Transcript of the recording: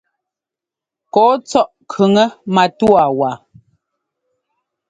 Kɔ́ɔ tsɔ́ʼ kʉŋɛ matúwa waa.